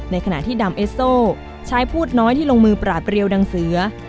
ขณะที่ดำเอสโซชายพูดน้อยที่ลงมือปราบเรียวดังเสือ